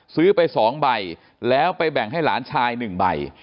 ซื้อไป๒ใบแล้วไปแบ่งให้หลานชาย๑ใบ